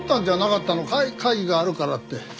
会議があるからって。